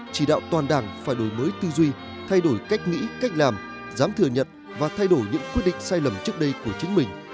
chỉ đạo toàn đảng phải đổi mới tư duy thay đổi cách nghĩ cách làm dám thừa nhận và thay đổi những quyết định sai lầm trước đây của chính mình